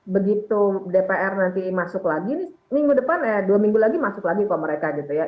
begitu dpr nanti masuk lagi ini minggu depan ya dua minggu lagi masuk lagi kok mereka gitu ya